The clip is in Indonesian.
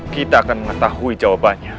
kita akan mengetahui jawabannya